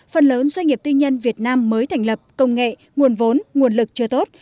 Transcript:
phần lớn doanh nghiệp tư nhân việt nam mới thành lập công nghệ nguồn vốn nguồn lực chưa tốt